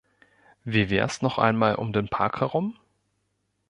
Wie wär's noch einmal um den Park herum?